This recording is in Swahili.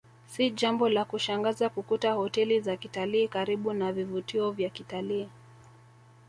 Si jambo la kushangaza kukuta hoteli za kitalii karibu na vivutio vya kitalii